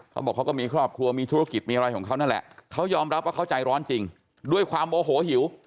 เขาบอกเขาก็มีครอบครัวมีธุรกิจมีอะไรของเขานั่นแหละเขายอมรับว่าเขาใจร้อนจริงด้วยความโมโหหิว